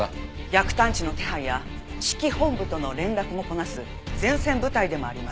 逆探知の手配や指揮本部との連絡もこなす前線部隊でもあります。